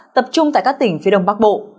tập trung tại các tỉnh phía đông bắc bộ